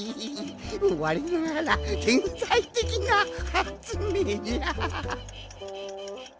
われながらてんさいてきなはつめいじゃ！